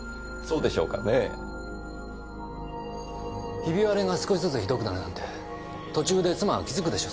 ひび割れが少しずつひどくなるなんて途中で妻が気づくでしょ